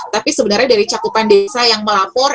tapi sebenarnya dari cakupan desa yang melapor